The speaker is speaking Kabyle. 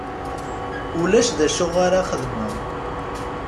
Ulac d acu ara xedmeɣ.